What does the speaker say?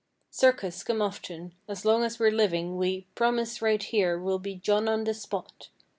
Circus, come often, as long as we're living we Promise right here we'll be "John on the spot."